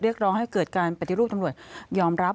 เรียกร้องให้เกิดการปฏิรูปตำรวจยอมรับ